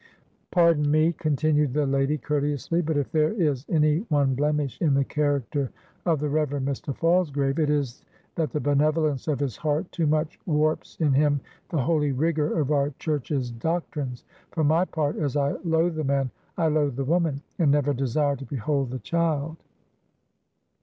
"Pardon me," continued the lady, courteously, "but if there is any one blemish in the character of the Reverend Mr. Falsgrave, it is that the benevolence of his heart, too much warps in him the holy rigor of our Church's doctrines. For my part, as I loathe the man, I loathe the woman, and never desire to behold the child."